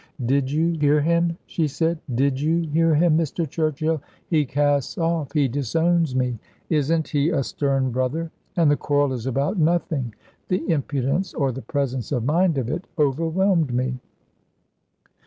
"Did you hear him?" she said. "Did you hear him, Mr. Churchill. He casts off he disowns me. Isn't he a stern brother? And the quarrel is about nothing." The impudence or the presence of mind of it overwhelmed me.